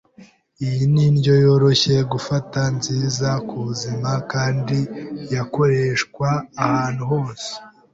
Iyi ni indyo yoroshye gufata, nziza ku buzima kandi yakoreshwa ahantu hose.